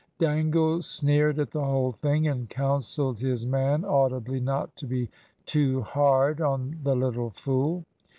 Dangle sneered at the whole thing, and counselled his man audibly not to be too hard on the little fool.